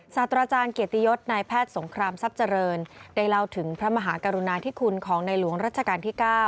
ศาสตราจารย์เกียรติยศนายแพทย์สงครามทรัพย์เจริญได้เล่าถึงพระมหากรุณาธิคุณของในหลวงรัชกาลที่๙